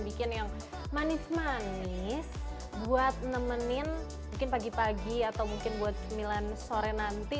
bikin yang manis manis buat nemenin mungkin pagi pagi atau mungkin buat sembilan sore nanti